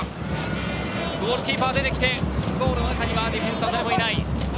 ゴールキーパーでてきて、ゴールの中にはディフェンスは誰もいない。